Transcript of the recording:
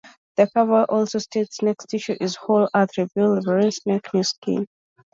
"The cover also states, "Next issue is 'Whole Earth Review': livelier snake, new skin.